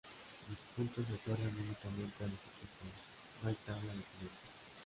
Los puntos se otorgan únicamente a los equipos, no hay tabla de pilotos.